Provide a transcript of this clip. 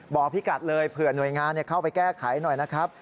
บอกพี่กัดเลยเผื่อหน่วยงานเข้าไปแก้ไขหน่อยนะครับ